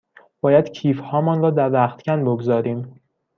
باید کیف هامان را در رختکن بگذاریم.